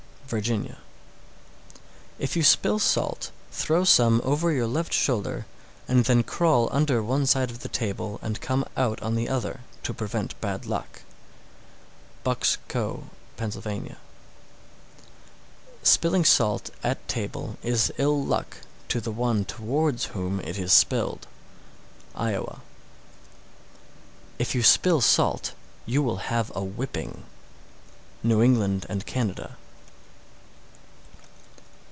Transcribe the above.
Virginia. 647. If you spill salt, throw some over your left shoulder, and then crawl under one side of the table and come out on the other, to prevent bad luck. Bucks Co., Pa. 648. Spilling salt at table is ill luck to the one towards whom it is spilled. Iowa. 649. If you spill salt, you will have a whipping. _New England and Canada.